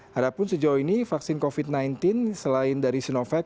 harapkan sejauh ini vaksin covid sembilan belas selain dari sinovac